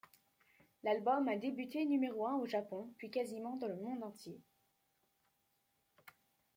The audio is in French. L'album a débuté numéro un au Japon puis quasiment dans le monde entier.